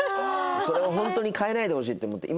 それをホントに変えないでほしいって思って。